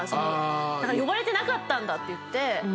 だから呼ばれてなかったんだっていって。